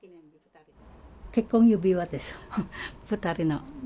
結婚指輪です、２人の。